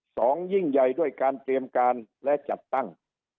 สองยิ่งใหญ่ด้วยการเตรียมการและจัดตั้ง